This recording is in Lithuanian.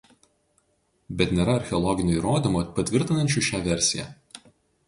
Bet nėra archeologinių įrodymų patvirtinančių šią versiją.